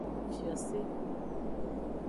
Fiose.